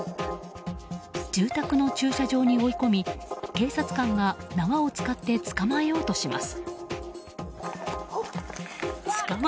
住宅の駐車場に追い込み警察官が縄を使って捕まえようとします。